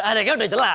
adegan udah jelas